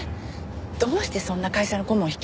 どうしてそんな会社の顧問引き受けたの？